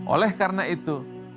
oleh karena itu